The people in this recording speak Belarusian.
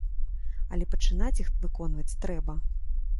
Але пачынаць іх выконваць трэба.